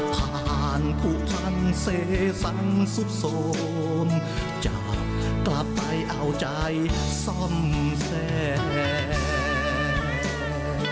ผ่านผู้ทันเศษันสุดสมจะกลับไปเอาใจซ่อมแสน